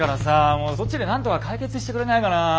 もうそっちでなんとか解決してくれないかなあ。